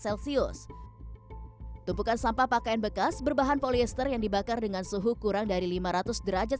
untuk memusnahkannya kain polyester harus dibakar di insinerator dengan suhu minimal lima ratus derajat